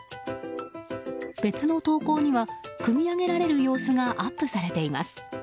別の投稿には組み上げられる様子がアップされています。